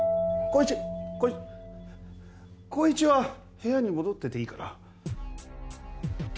浩一浩一は部屋に戻ってていいから。